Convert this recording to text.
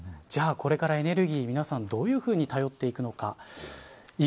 じゃあこれからエネルギーみなさん、どういうふうに頼っていくのか。